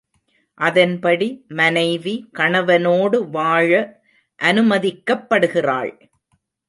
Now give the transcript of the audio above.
அதன்படி மனைவி கணவனோடு வாழ அனுமதிக்கப்படுகிறாள்.